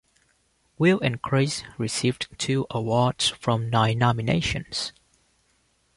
"Will and Grace" received two awards from nine nominations.